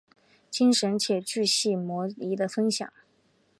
精彩且钜细靡遗的分享